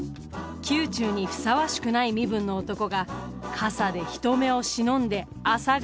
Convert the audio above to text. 宮中にふさわしくない身分の男が傘で人目を忍んで朝帰り！